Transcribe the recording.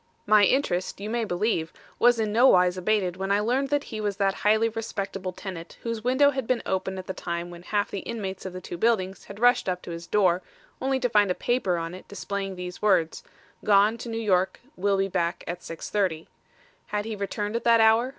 "My interest, you may believe, was in no wise abated when I learned that he was that highly respectable tenant whose window had been open at the time when half the inmates of the two buildings had rushed up to his door, only to find a paper on it displaying these words: Gone to New York; will be back at 6:30. Had he returned at that hour?